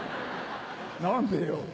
何でよ。